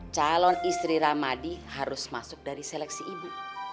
calon istri ramadi harus masuk dari seleksi ibu